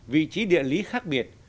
vị trí địa lý khác biệt